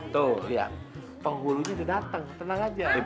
tuh ya penggulunya datang tenang aja